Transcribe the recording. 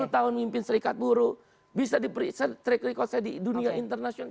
sepuluh tahun mimpin serikat buru bisa diperiksa track record saya di dunia internasional